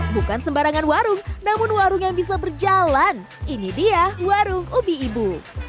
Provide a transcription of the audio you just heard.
bukan sembarangan warung namun warung yang bisa berjalan ini dia warung ubi ibu